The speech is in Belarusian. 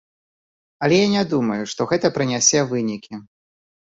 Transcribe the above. Але я не думаю, што гэта прынясе вынікі.